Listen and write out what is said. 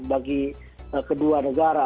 bagi kedua negara